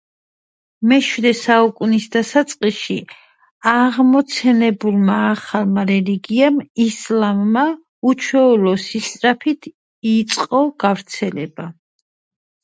შინაგან საქმეთა სახალხო კომისრად ლავრენტი ბერიას მოსვლის შემდეგ მისი საქმე გადაიხედა.